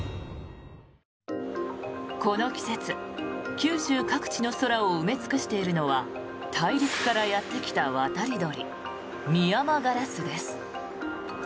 この季節、九州各地の空を埋め尽くしているのは大陸からやってきた渡り鳥ミヤマガラスです。